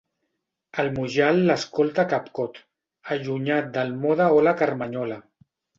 El Mujal l'escolta capcot, allunyat del mode hola-Carmanyola.